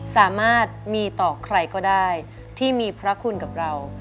สามารถมีต่อใครก็ได้ที่มีพระคุณกับเรา